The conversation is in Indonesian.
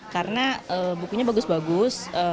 karena bukunya bagus bagus